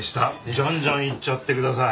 じゃんじゃんいっちゃってください。